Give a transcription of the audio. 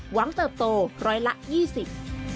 หวังเติบโต๑๒๐ล้านบาท